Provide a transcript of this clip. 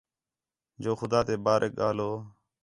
جو خُدا تے باریک ڳاھلوں